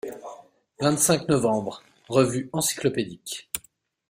vingt-cinq novembre., Revue Encyclopédique.